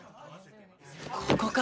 ここか